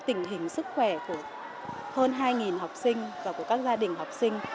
tình hình sức khỏe của hơn hai học sinh và của các gia đình học sinh